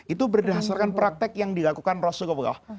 itu berdasarkan praktek yang dilakukan rasulullah